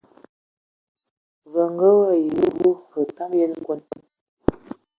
Ye ngə wayi wu, və otam yən bəkon.